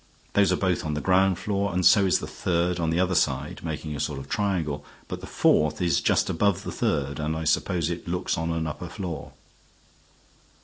Those are both on the ground floor, and so is the third on the other side, making a sort of triangle. But the fourth is just above the third, and I suppose it looks on an upper floor."